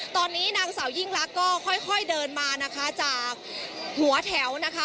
ตอนนี้นางสาวยิ่งลักษณ์ก็ค่อยเดินมานะคะจากหัวแถวนะคะ